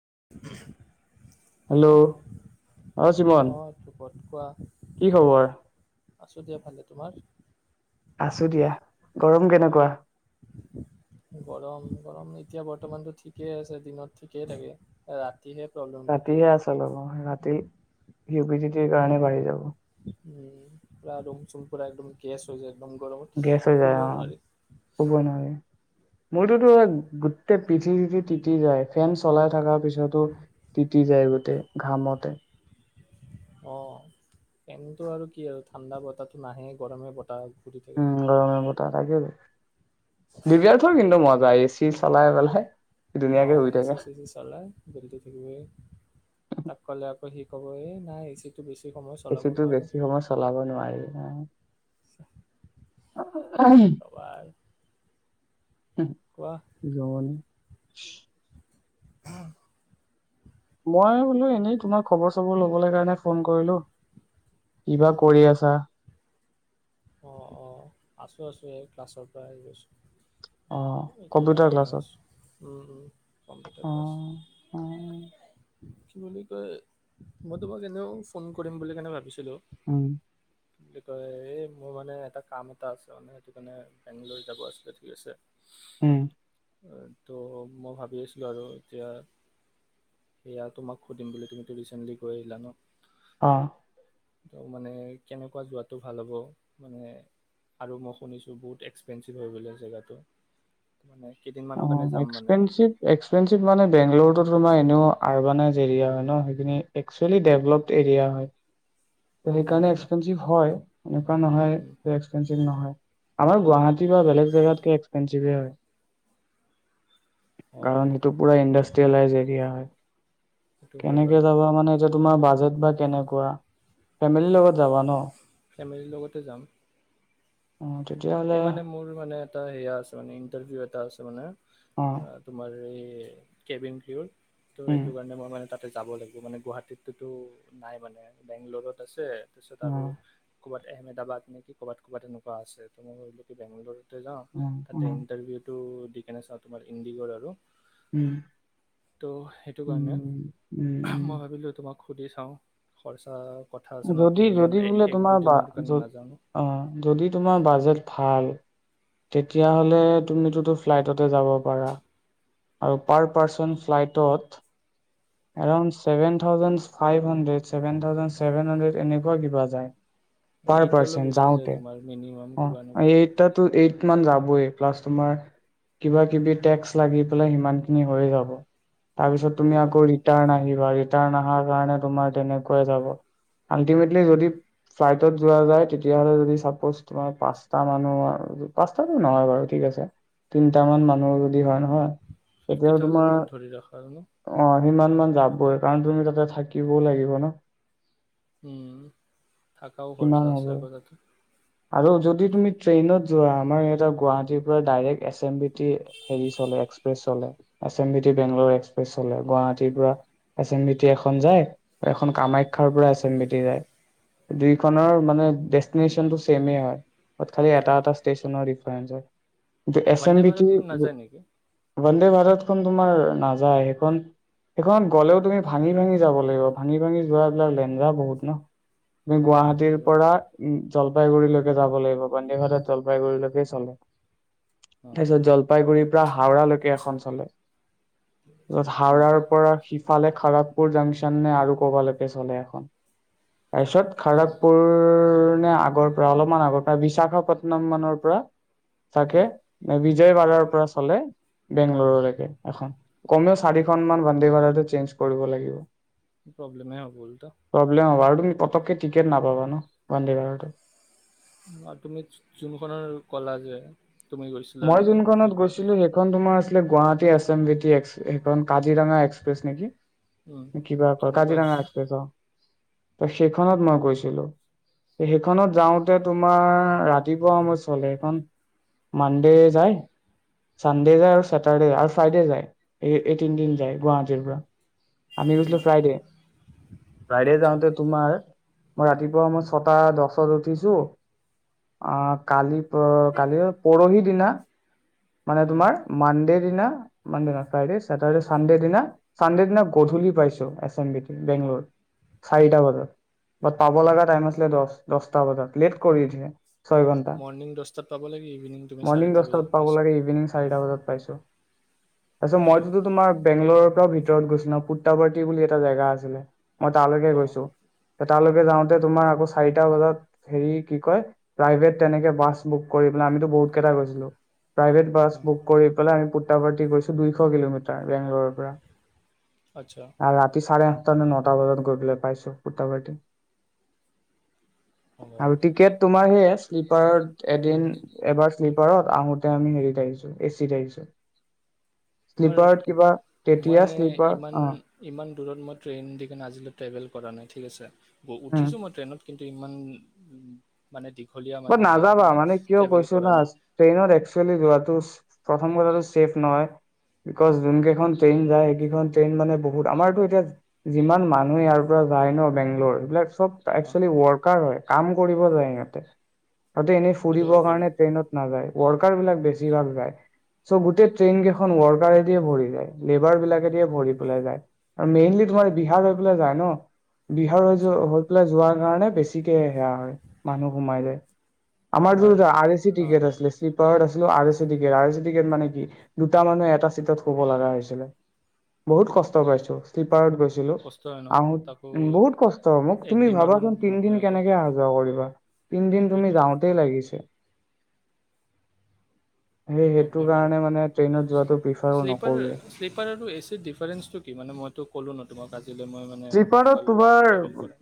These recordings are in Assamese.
[unintelligible] হেল্ল' অ চিৱন অঁ ধ্ৰুৱত কি খবৰ? আছো দিয়া ভালে তোমাৰ আছো দিয়া গৰম কেনেকুৱা গৰম গৰম এতিয়া বৰ্তমানতো ঠিকেই আছে দিনত ঠিকেই থাকে ৰাত ৰাতিহে আচল হয় অ ৰাতি হিউ বিডি টিৰ কাৰণে বাঢ়ি যাব। উম পৰা ৰুমচুম পুৰা একদম গেছ হৈ যায়। একদম গৰমত গেছ হৈ যায় শুবই অ, নোৱাৰি শুব নোৱাৰি এতিয়া মূৰটোত গোটেই, পিঠি চিঠি তিতি যায় ফেন চলাই থকাৰ পিছতো তিতি যায় গোটেই ঘামতে অ ফেনটো আৰু কি আৰু ঠাণ্ডা বতাহটো নাহে গৰমে বতাহ ঘূৰি থাকে উম গৰমে বতাহ লাগে কি দিব্যাৰ্থ কিন্তু মজা এ চি চলাই পেলাই অ ধুনীয়াকে শুই এ থাকে চি চেচি চলাই জল্ডিত হি শুৱে তাক ক'লে সি ক'ব এ নাই এ চি এ চিটো বেছি সময় চলাব নোৱাৰি হ ক'বা আৰু [unintelligible] শুহ কোৱা জন [unintelligible] হ মই বোলো এনেই তোমাৰ খবৰ চবৰ লবলৈ কাৰণে ফোন কৰিলো কিবা কৰি আছা। অঁ অঁ আছোঁ আছোঁ এই ক্লাছৰ পৰা আহি আছোঁ অ এতিয়া কম্পিউটাৰ এনেই ক্লাছত আছো কম্পিউটাৰ অ ক্লাছ অ কি বুলি কয় মই তোমাক এনেও ফোন কৰিম বুলি ভাবিছিলোঁ উম কি বুলি কয় এইম মোৰ মানে এটা কাম এটা আছে মানে সেইটো কাৰণে বেংগলৰ যাব আছিলে ঠিক আছে। উম ত' মই ভাবি আছিলোঁ আৰু এতিয়া সেয়া তোমাক সুধিম বুলি তুমিতো ৰিচেণ্টলি গৈ আহিলা ন। অ ত মানে কেনেকুৱা যোৱাতটো ভাল হ'ব মানে আৰু মই শুনিছোঁ বহুত এক্সপেঞ্চিভ হৈ হয় বোলে জেগাটো। মানে কেইদিনমানৰ অ কাৰণে যাম মানে। এক্সপেিভ এক্সপেিভ মানে বেংলৰ নএৰিয়া হয় ন সেইখিন একচ্ছোৱালী দেভলপ এৰিয়া হয়। সেইকাৰণে অ', অ', এক্সপেঞ্চিভ হয় এনেকুৱা উম, নহয় এক্সপেঞ্চিভ নহয় আমাৰ গুৱাহাটীৰ বা বেলেগ জেগাতকে এক্সপেঞ্চিভেই হয় অ', কাৰণ সেইটো পুৰা ইণ্ডাষ্ট্ৰিয়েলাইজ এৰিয়া হয় সেইটো হয় কেনেকে বাৰু। যাবা মানে যত তোমাৰ বাজেট বা কেনেকুৱা ফেমিলিৰ লগত যাবা ন ফেমিলিৰ লগতে যাম অ এই তেতিয়াহ'লে মানে মোৰ মানে এটা হেয়া আছে মান ইণ্টাৰভিউ এটা আছে মানে। অ তোমাৰ এই কেবিন ক্ৰ ত' উম সেইটো কাৰণে মই মানে তাতে যাব লাগিব মানে গুৱাহাটীততো নাই মানে বেংগলত আছে তাৰপিছত অ আৰু ক'বাত এহমেদাবাদ নেকি ক'বাত ক'ৰবাত তেনেকুৱা আছে তই বেংগলৰ যাওঁ উম, উম, তাতে ইণ্টাৰভিউটো কেনে চাওঁ তোমাৰ ঈঙ্গীগডৰ আৰু উম ত' সেইটো উম উম উম শুধি চাওঁ খৰচা কথা আছে ন যদি কেইদিনমান যদি বোলে এক তোমাৰ দুদিনৰ কাৰণে নাজানো অ যদি তোমাৰ বাজেট ভাল তেতিয়াহ'লে তুমিতোতো ফ্লাইটতে যাব পাৰা আৰু পাৰ পাৰ্চন ফ্লাইটত around seven thousand five hundred seven thousand seven hundred এনেকুৱা কিবা যায় পাৰ ঈদলৈ পাৰ্চন গুচি যায় যাওতে, তোমাৰ মিনিমাম অ কিবা এনেকুৱা এই এইট মানে যাবই। লাষ্ট তোমাৰ কিবা কিবি টেক্সট লাগি পেলাই সিমান খিনি হৈ এ যাব। তাৰপিছত তুমি সেইটোৱেতো আকৌ ৰিটাৰ্ণ অহাৰ কাৰণে তোমাৰ তেনেকুৱা এ যাব আল্টিমেটলী যদি ফ্লাইটত যোৱা যাই তেতিয়া হলে যদি চাপ্ৰৰ্চ তোমাৰ পাঁচটা মানুহৰ পাঁচটা টো নহয় বাৰু ঠিক আছে তিনটা মান মানুহৰ হয় নহয় ফিফটি তেতিয়াও তোমাৰ থাউজেণ্ড মান ধৰি ৰখা হয়। অ সিমান মান যাবই কাৰণ তুমি তাতে থাকিবও লাগিব ন। উম থকাও কিমান খৰচা হ'ব আছে বাৰু তাতে আৰু যদি তুমি ট্ৰেইনত যোৱা আমাৰ ইহতে গুৱাহাটীৰ পৰা direct S M B T হেৰি চলে এক্সপ্ৰেছ চলে এছ এম বি টি বেংগলৰ এক্সপ্ৰেছ চলে Guwahati S M B T এখন যায় এখন কামাখ্যাৰ পৰা এচ এম বি টি যায় দুইখনৰ মানে ডেষ্টিনেশচনটো ছেম এ হয় ত খালি আচ্ছা, এটা এটা ষ্টেচন [unintelligible] যে S M Vande V T ভাৰতখন নাযায় নেকি? বন্দে ভাৰত সেইখন তোমাৰ নাযায় সেইখন। সেইখনত গ'লেও তুমি ভাঙি ভাঙি যাব লাগিব। ভাঙি ভাঙি যোৱাবলাক লেংৰা বহুত ন। আমি গুৱাহাটীৰ সেইটো হয়। পৰা উম জলপাইগুৰিলৈকে যাব লাগিব অকমাণ। সেইফালে জলপাইগুৰিলৈকে চলে। অ', তাৰপিছত জলপাইগুৰি হাওৰা লৈকে এখন চলে। তাৰপছত উম, হাওৰাৰ সিফালে খাৰাগপুৰ জাংচন নে, আৰু ক'বালৈকে চলে এখন। তাৰপিছত আচ্ছা। খাৰগপুৰৰ মানে আগৰ পৰা, অলপমান আগৰ পৰা বিশাখাপট্টনম মানৰ পৰা থাকে অ', [unintelligible] বিজয়বাৰৰ পৰা চলে, ‌ বেংল'ৰৰলৈকে, এখন কমেও চাৰিখন মান বন্দেভাৰতটো চেঞ্জ কৰিব লাগিব। প্ৰব্লেম হে হ'ব উল্টা। প্ৰব্লেম হ'ব আৰু তুমি পতককে টিকেট নাপাবা ন, বন্দে ভাৰতত। তুমি যোনখনৰ, কলা যে। তুমি গৈছিলা মই নেকি যোনখনত সেইখনত? গৈছিলো সেইখন তোমাৰ আছিলে আছিল Guwahati S M B T সেইখন। কাজিৰঙা এক্সপ্ৰেছ নেকি? উম, কিবা, কেনেকুৱা কাজিৰঙা সেইখন? এক্সপ্ৰেছ অ'। সেইখনত মই গৈছিলো, ‌ সেইখনত যাওঁতে তোমাৰ ৰাতিপুৱা সময় চলে, সেইখন। মানডে যায়, ছানডে যায়, আৰু চেটাৰডে যায়, আৰু ফ্ৰাইডে যায়, এই এই তিনিদিন যায় গুৱাহাটীৰ পৰা। আমি গৈছিললো উম, ফ্ৰাইডে, ফ্ৰাইডে আচ্ছা। যাওঁতে তোমাৰৰ মই ৰাতিপুৱা, ‌ মই, ‌ ছটা দহত উঠিছো আহ কালি। ‌ অঁ কালি। পৰশি দিনা। ‌ মানে উম, তোমাৰ মানডে ফ্ৰাইডে, চেটাৰডে, চানডে দিনা, চানডে দিনা গধূলি পাইছো, এছ এম বিত বেংগল'ৰ চাৰিটা বজাত, পাব লগা টাইম আছিলে দহটা বজাত লেট কৰি দিলে। ছয় ঘন্টা মৰ্ণিং দহটাত পাব লাগে, ইভিনিং তুমি মৰ্ণিং চাৰিটা দহটাত বজাত। পাব পাইছা। লাগে ইভিনিং, ‌ চাৰিটা বজাত পাইছো। তাৰপিছত আচ্ছা, মইতো তো তোমাৰ বেংগলৰ‌ ভিতৰত গৈছিল ন, পুত্ৰাৱৰ্তী বুলি এটা জেগা আছিলে। মই তালৈকে অ', গৈছো। তালৈকে যাওঁতে তোমাৰ আকৌ চাৰিটা বজাত, হেৰি কি কয়, প্ৰাইভেট তেনেকে বাছ বুক কৰি পেলাই আমিতো বহুত কেইটা গৈছিলো। প্ৰাইভেট বাছ অ', বুক কৰি পেলাই আমি পুত্ৰাৱৰ্তী কৰিছো দুইশ কিলোমিটাৰ, বেংগলোৰৰ পৰা। আচ্ছা, আৰু ৰাতি চাৰে মানে নটা বজাত গৈ পেলাই পাইছো সূটা পতি অ'। আৰু টিকেট তোমাৰ সেই শ্লিপাৰত এদিন এবাৰ শ্লিপাৰত তে আমি হেৰিত আহিছো এ চিত আহিছো তোমাৰ শ্লিপাৰত কিবা মই তেতিয়া শ্লিপাৰ এনেই ইমান অ ইমান দূৰত মই ট্ৰেইন দি কিনে আজিলৈ ট্ৰেভেল কৰা নাই ঠিক আছে উম উঠিছো মই ট্ৰেইনত কিন্তু ইমান উ মানে দি ব নাযাবা মানে কিয় কৈছো না নাই ট্ৰেইনত একচুৱেলি যোৱাটো প্ৰথম কথাটো চছেফ নহয়, বিকজ যোন কেইখন ট্ৰেইন যায় সেইকেইখন ট্ৰেইন মানে বহুত আমাৰতো এতিয়া যিমান মানুহে ইয়াৰ পৰা যায় ন বেংগলৰ এইবিলাক অ এক্সলি ৱৰ্কাৰ হয় কাম কৰিব যায় সিহঁতে সিহঁতে এনে সেইটো ফুৰিবৰ হয় বাৰু কাৰণে ট্ৰেইনত নাযায় কাৰ বিলাক বেছিভাগ যায়, চ' গোটেই ট্ৰেইন কেইখন ৱৰ্কাৰ যায়, লেবাৰ বিলাকে দিয়ে ভৰি পেলাই যায়, আৰু মেইনলি তোমাৰ বিহাৰ হৈ পেলাই যায় ন বিহাৰ হৈ আচ্ছা যায় হৈ পেলাই যোৱা সেই কাৰণে বেছিকে সেয়া হয় মানুহ সোমাই যায় আমাৰ তোমাৰ জে আৰ এ চি অ টিকেট আছিলে আছিলোঁ আৰ এ ছি টিকেট মানে কি, দুটা মানুহে এটা চিটত শুব লগা হৈছিলে, বহুত কষ্ট পাইছোঁ ৰত গৈছিলো, কষ্ট হয় ন আহো তাকো উম বহুত কষ্ট মোক তুমি একদিনৰো ভাবাচোন তিনদিন নহয় আকৌ কেনেকে অহা যোৱা কৰিবা কি [inaudible] তুমি সেইটোৱেতো যাওঁতেই লাগিছে সেই সেইটো প্ৰব্লেম আৰু কাৰণে মানে ট্ৰেইনত যোৱাটো প্ৰিফাৰ শ্লিপাৰ নকৰোৱে শ্লিপাৰ তো এ চি দিফাৰেন্চ তো কি মানে মই তো কলোঁ ন তোমাক আজি শ্লিপাৰত তোমাৰ কৰা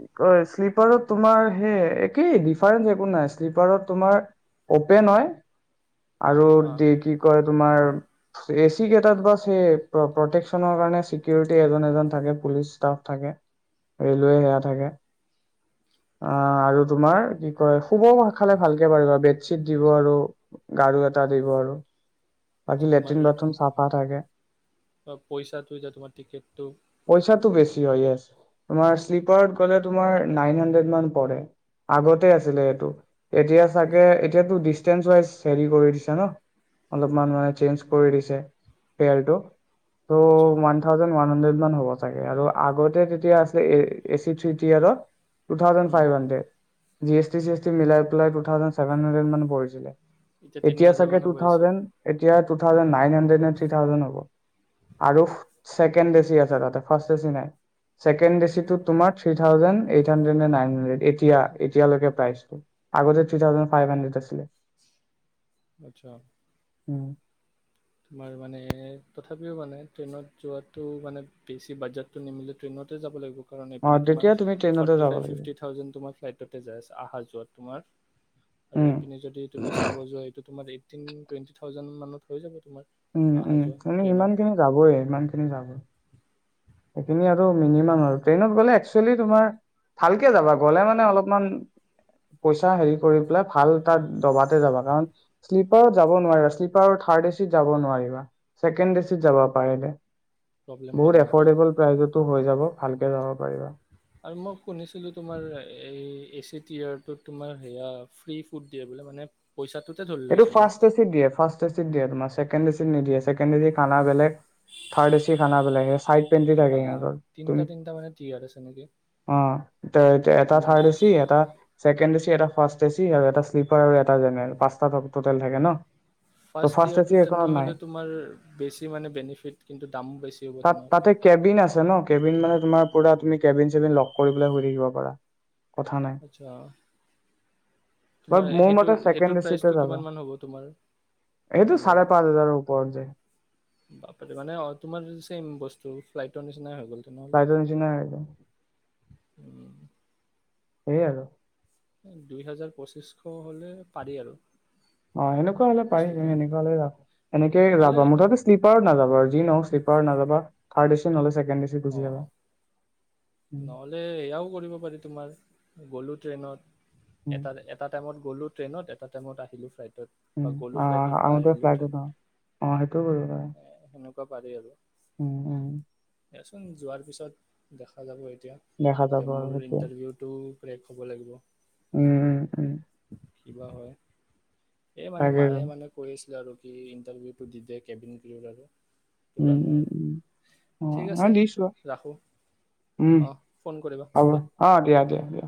শ্লিপ তোমাৰ সে একেই দিফাৰেন্চ একো নাই, শ্লিপাৰত তোমাৰ অপেন হয় আৰু হা দি কি কয় তোমাৰ এ চি কেইটাত বাচ হে প্ৰটেকচনৰ কাৰণে চিকিউৰিটি এজন এজন থাকে পুলিচ ষ্টাফ থাকে, ৰেলৱে সেয়া থাকে, অআ আৰু তোমাৰ কি কয় শুব মন খালে ভালকে পাৰিবা বেডশ্বিট দিব আৰু গাৰু এটা দিব আৰু বাকী তোমাৰ লেট্ৰিন বাথৰুম চাফা থাকে বা পইচাটো যে তোমাৰ টিকেটটো পইচাটো বেছি হয় তোমাৰ শ্লিপাৰত গলে তোমাৰ নাইন হাড্ৰেড মান পৰে, আগতে আছিলে সেতু এতিয়া চাগে এতিয়া ডিচতেনচ হেৰি কৰি দিছে ন অলপমান মানে চেঞ্জ কৰি দিছে ফেয়াৰ টু ত' আচ্ছা ৱান থাউজেণ্ড, ৱান হাণ্ড্ৰেড মান হ'ব চাগে আৰু আগতে তেতিয়া আছিলে এ, এ চি থ্ৰী, থ্ৰী আগত two thousand um, five hundred. G S T C মিলাই পেলাই, টুথাওজেন ছেভেনসানড্ৰেত মান পৰিছিলে। তিনি এতিয়া হাজাৰ চাগে মান টু হ'ব আহিছিল। থাউজেণ্ড এতিয়া টু থাউজেণ্ড নাইন হাড্ৰেড নে থ্ৰী থাউজেণ্ড হ'ব। আৰু ছেকেণ্ড বেছি আছে তাতে ফাৰ্ষ্ট বেছি নাই। ছেকেণ্ড বেছিটো তোমাৰ থি থাউজেণ্ড এতহানড্ৰেড নে নাইন হানড্ৰেড এতিয়া, এতিয়ালৈকে প্ৰাইজটো আগতে থ্ৰী থাউজেণ্ড ফাইভ হাড্ৰেড আছিলে। আচ্ছা উম তোমাৰ মানে, তথাপিও মানে ট্ৰেইনত যোৱাটো মানে বেছি বাজেটো নিমিলে ট্ৰেইনতে যাব লাগিব। এইটো কাৰণে অ এইপিনে তোমাৰ তেতিয়া তুমি ট্ৰেইনতে ফৰটি যাব ফাইফ লাগিব ফিটি ‌থাওজেন তোমাৰ ফ্লাইটটে যায় আছে। অহা যোৱা তোমাৰ আৰু উম এইপিনে যদি তুমি চাব যোৱা এইটো তোমাৰ এত দেন টুৱেন্টি থাউজেণ্ড মানত হৈ যাব। তোমাৰ। উম, আহা উম যোৱা অ ইমান ট্ৰেইনত খিনি যাবই ইমান খিনি যাবই সেইখিনি আৰু মিনিমাম আৰু ট্ৰেইনত গলে একচুৱেলি তোমাৰ ভালকে যাবা গলে, মানে অলপমান পইচা হেৰি কৰি পেলাই ভাল এটা দবাতে যাবা, কাৰণ শ্লিপাৰত যাব নোৱাৰে, শ্লিপাৰত থাড এচিত যাব নোৱাৰিবা ছেকেণ্ড এচিত যাবা পাৰিলে। প্ৰব্লেম পাম বহুত ন। এফৰ্ডেবল প্ৰাইজতো হৈ যাব। ভালকে যাব পাৰিবা। আৰু মই শুনিছিলো, তোমাৰ এই এচিড ইয়েৰটো তোমাৰ সেয়া ফ্ৰিফুড দিয়ে বোলে মানে পইচাটোতে ধৰি লয় সেইটো চাগে ন ফাষ্ট এচিড দিয়ে, ফাষ্ট এচিড দিয়ে তোমাৰ ছেকেণ্ড ছেকেণ্ড এচিড নিদিয়ে, ছেকেণ্ড এচিড খানা বেলেগ, থাড এচিড খানা বেলেগ থাড টুৱেন্টি থাকে বা সিহতৰ, তিনিটা তিনিটা মানে টিয়াৰ আছে নেকি? অ এটা মানে থাড এচিড এটা ছেকেণ্ড এচিড এটা ফাৰ্ষ্ট এ চি, আৰু এটা শ্লিপাৰ আৰু এটা জেনেৰেল। টোটেল থাকে ন ত' ফাৰ্ষ্ট এচি ইয়েৰটোত এখনত নাই। তেনেহ'লে তোমাৰ বেছি মানে বেনিফিট কিন্তু দামো বেছি হ'ব তেনেহ'লে জানো, কেবিন মানে তোমাৰ পুৰা তুমি কেবিন চেবিন লগ কৰি পেলাই শুই থাকিব পাৰা। কথা নাই, আচ্ছা বাট তোমাৰ মোৰ মতে সেইটোৰ, ছেকেণ্ড সেইটো প্ৰাইজ এচিতে সেইটো যাবা। কিমান মান হ'ব, তোমাৰ এইটো চাৰে পাঁচ আন্দাজত হাজাৰৰ ওপৰত যায়, বাপৰে মানে অ তোমাৰ চেম বস্তু বস্তুবোৰ ফ্লাইটৰ নিচিনা হয়। ফ্ৰাইলটৰ নিচিনাই হৈ যায়। উম সেই আৰু দুই হাজাৰ পঁচিছশ হলে পাৰি আৰু অ সেনেকোৱা হলে পাৰি, বস্তুটো সেনেকোৱা হলে লাভ হয়, এনেকে লাভ নহ'লে হয় মুঠতে শ্লিপাৰত নাযাব, আৰু যি নহক শ্লিপাৰ শ্লিপাৰ নাযাবা থাৰ্ড এ চিত নহ'লে ছেকেণ্ড এ চিত গুচি যাবা। অ', উম, নহ'লে সেয়াও কৰিব পাৰি তোমাৰ। গ'লো ট্ৰেইনত। উম। এটা এটা টাইমত গলোঁ ট্ৰেনত এটা টাইমত আহিলো ফ্লাই। উম আহ আহোঁতে ফ্লাইট ন অ সেইটো কৰিব [inaudible] তই পাবি আকৌ। উম উম দিয়াচোন যোৱাৰ পিছত দেখা খা যাব এতিয়া দেখা এতিয়া যাব আৰু মোৰ সেইটোৱে। ইণ্টাৰভিউটো ব্ৰেক হ'ব লাগিব। উম, উম, উম। কিবা হয়। এ মানে তাকেতো। মায়ে মানে কৈ আছিলে আৰু। ইণ্টাৰভিউটো দি দে কেবিন ক্ৰীৱ বাবে। উম উম উম অ আছে দিচো ৰহ। ৰাখোঁ উম অঁ ফোন কৰিবা হ'ব দিয়া অ দিয়া দিয়া দিয়া।